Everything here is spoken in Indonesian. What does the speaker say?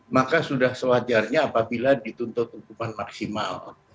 maka sudah sewajarnya apabila dituntut hukuman maksimal